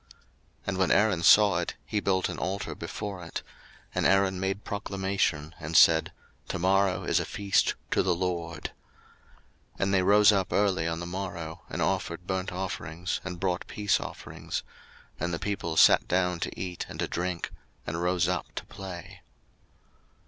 02:032:005 And when Aaron saw it, he built an altar before it; and Aaron made proclamation, and said, To morrow is a feast to the LORD. 02:032:006 And they rose up early on the morrow, and offered burnt offerings, and brought peace offerings; and the people sat down to eat and to drink, and rose up to play.